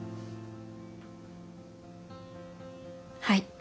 はい。